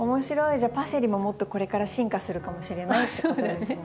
じゃあパセリももっとこれから進化するかもしれないってことですね。